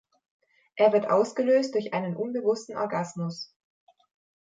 Er wird ausgelöst durch einen unbewussten Orgasmus.